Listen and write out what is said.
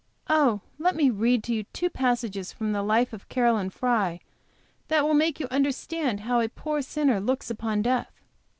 Oh, let me read to you two passages from the life of Caroline Fry which will make you understand how a poor sinner looks upon death.